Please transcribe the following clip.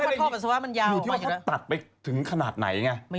หรือที่ว่าพ่อตัดไปถึงขนาดไหนไง